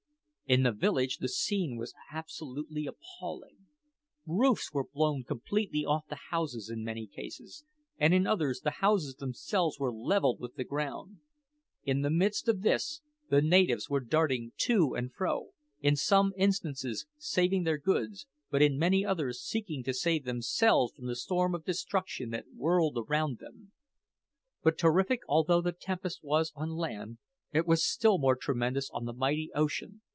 In the village the scene was absolutely appalling. Roofs were blown completely off the houses in many cases, and in others the houses themselves were levelled with the ground. In the midst of this the natives were darting to and fro in some instances saving their goods, but in many others seeking to save themselves from the storm of destruction that whirled around them. But terrific although the tempest was on land, it was still more tremendous on the mighty ocean.